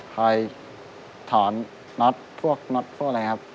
คอยถอนน็อตพวกน็อตพวกอะไรครับ